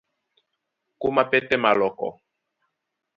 Kómá pɛ́tɛ́ malɔ́kɔ.